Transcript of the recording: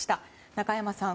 中山さん